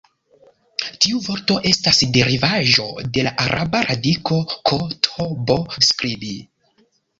Tiu vorto estas derivaĵo de la araba radiko "k-t-b" 'skribi'.